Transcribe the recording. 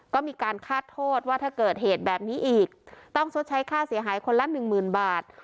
ก็มีการคาดโทษว่าถ้าเกิดเหตุแบบนี้อีกต้องชดใช้ค่าเสียหายคนละหนึ่งหมื่นบาท